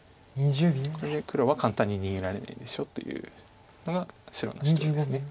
これで黒は簡単に逃げられないでしょというのが白の主張です。